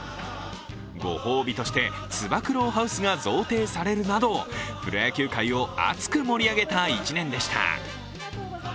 ご褒美として、つば九郎ハウスが贈呈されるなどプロ野球界を熱く盛り上げた１年でした。